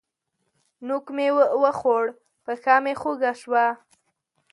نوک مې وخوړ؛ پښه مې خوږ شوه.